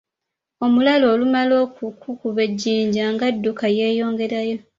Omulalu olumala okukuba ejjinja nga adduka yeeyongerayo.